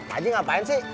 tadi ngapain sih